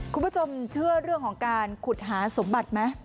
คุณผู้ชมเชื่อเรื่องของการขุดหาสมบัติไหม